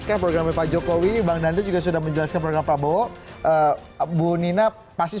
kami akan segera kembali